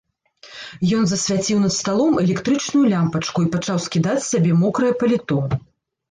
Ён засвяціў над сталом электрычную лямпачку і пачаў скідаць з сябе мокрае паліто.